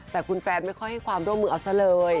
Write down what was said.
แต่คุณแฟนไม่ค่อยให้ความร่วมมือเอาซะเลย